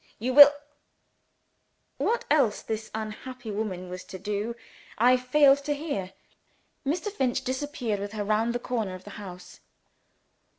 You will " What else this unhappy woman was to do, I failed to hear. Mr. Finch disappeared with her, round the corner of the house.